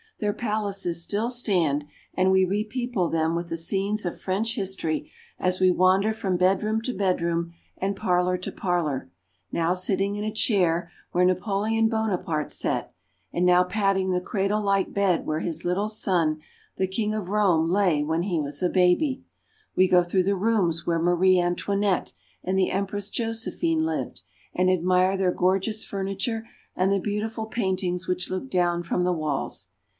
Their palaces still stand and we re people them with the scenes of French history as we wander from bedroom to bedroom and parlor to parlor, now sitting in a chair where Napoleon Bonaparte sat, Versailles. and now patting the cradle like bed where his little son, the king of Rome, lay when he was a baby. We go through the rooms where Marie Antoinette and the Em press Josephine lived, and admire their gorgeous furniture and the beautiful paintings which look down from the walls.